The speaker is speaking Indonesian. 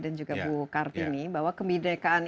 dan juga bu kartini bahwa kebhinnekaan